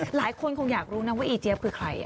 หลายคนคงอยากรู้นะว่าอีเจี๊ยบคือใคร